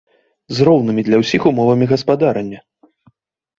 З роўнымі для ўсіх умовамі гаспадарання.